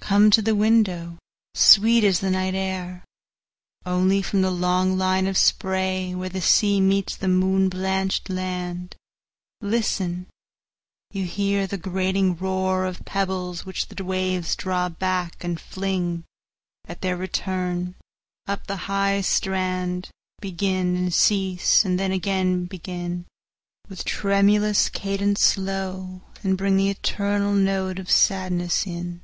Come to the window, sweet is the night air! Only, from the long line of sprayWhere the sea meets the moon blanch'd sand, Listen! you hear the grating roarOf pebbles which the waves draw back, and fling, At their return, up the high strand, Begin, and cease, and then again begin, With tremulous cadence slow, and bringThe eternal note of sadness in.